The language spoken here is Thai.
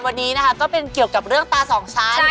วันนี้นะคะก็เป็นเกี่ยวกับเรื่องตาสองชั้น